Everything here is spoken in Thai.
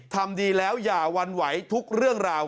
ทำดีแล้วอย่าวันไหวทุกเรื่องราว